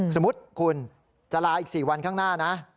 สมมุติคุณจะลาอีก๔วันข้างหน้านะ